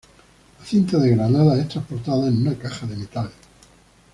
La cinta de granadas es transportada en una caja de metal.